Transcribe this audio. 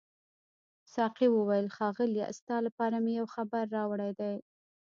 ساقي وویل ښاغلیه ستا لپاره مې یو خبر راوړی دی.